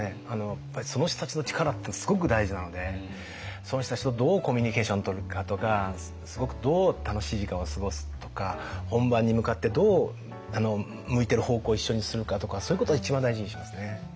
やっぱりその人たちの力ってすごく大事なのでその人たちとどうコミュニケーションとるかとかどう楽しい時間を過ごすとか本番に向かってどう向いてる方向を一緒にするかとかそういうことは一番大事にしますね。